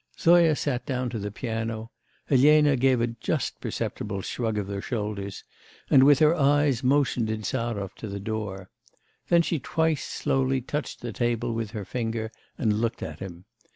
Zoya sat down to the piano. Elena gave a just perceptible shrug of the shoulders, and with her eyes motioned Insarov to the door. Then she twice slowly touched the table with her finger, and looked at him.